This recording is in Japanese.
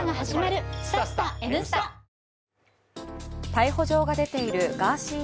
逮捕状が出ているガーシー